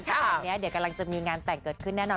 แต่ตอนนี้เดี๋ยวกำลังจะมีงานแต่งเกิดขึ้นแน่นอน